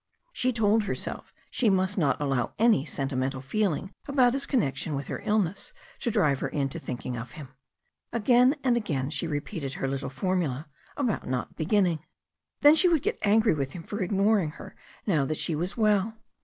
She told herself she must not allow any sentimental feeling about his connection with her illness to drive her into thinking of him. Again and again she repeated her little formula about not beginning. Then she would get angry with him for ignoring her now that she was well.